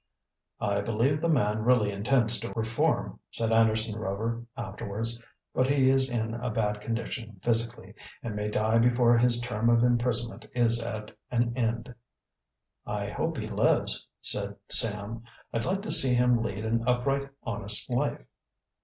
"I believe the man really intends to reform," said Anderson Rover afterwards. "But he is in a bad condition physically and may die before his term of imprisonment is at an end." "I hope he lives," said Sam. "I'd like to see him lead an upright, honest life."